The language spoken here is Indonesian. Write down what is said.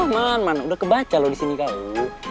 man man udah kebaca lo disini kau